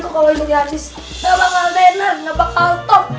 kan kalau aku jadi artis gak bakal tenar gak bakal top